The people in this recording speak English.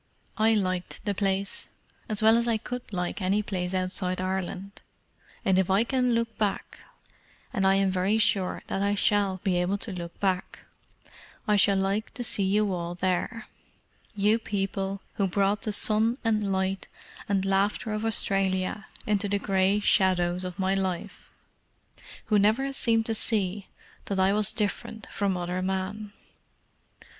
I liked the place, as well as I could like any place outside Ireland; and if I can look back—and I am very sure that I shall be able to look back—I shall like to see you all there—you people who brought the sun and light and laughter of Australia into the grey shadows of my life—who never seemed to see that I was different from other men.